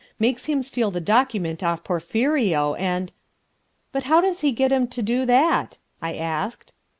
makes him steal the document off Porphirio, and...." "But how does he get him to do that?" I asked.